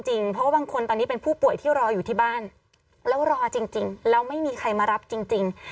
เพราะว่าบางคนตอนนี้เป็นผู้ป่วยที่รออยู่ที่บ้านแล้วรอจริงแล้วไม่มีใครมารับจริง